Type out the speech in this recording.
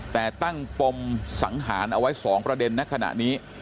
แต่ตั้งปมสังหารเอาไว้๒ประเด็นในขณะนี้